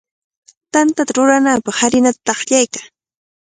Tantata rurananpaq harinata taqllaykan.